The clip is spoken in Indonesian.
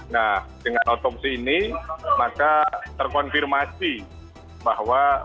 nah dengan otopsi ini maka terkonfirmasi bahwa